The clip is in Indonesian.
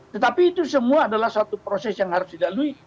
tetapi itu semua adalah satu proses yang harus dilalui